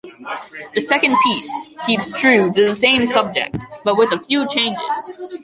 The second piece keeps true to the same subject, but with a few changes.